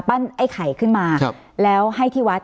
ไอ้ไข่ขึ้นมาแล้วให้ที่วัด